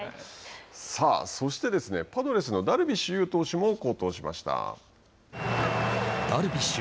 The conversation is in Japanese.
さあ、そしてですね、パドレスのダルビッシュ有投手もダルビッシュ。